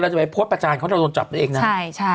เราจะไปโพสต์ประจานเขาจะโดนจับเองนะ